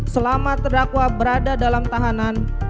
selama terdakwa berada dalam tahanan